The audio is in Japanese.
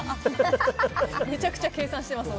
めちゃくちゃ計算してます